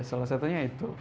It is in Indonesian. ya salah satunya itu